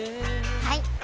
はい！